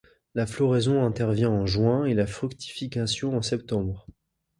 La floraison intervient en juin et la fructification en septembre.